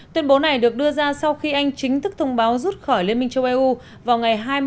tuyên bố này được đưa ra sau khi anh chính thức thông báo rút khỏi liên minh châu âu vào ngày hai mươi chín tháng ba